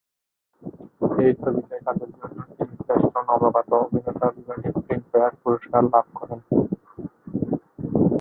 এই ছবিতে কাজের জন্য তিনি শ্রেষ্ঠ নবাগত অভিনেতা বিভাগে ফিল্মফেয়ার পুরস্কার লাভ করেন।